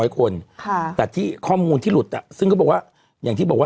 คือคือคือคือคือคือ